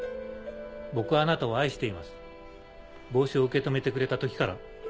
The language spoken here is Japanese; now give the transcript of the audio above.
僕はあなたを愛しています帽子を受け止めてくれた時から。